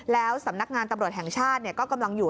แล้วสำนักงานตำรวจแห่งชาติก็กำลังอยู่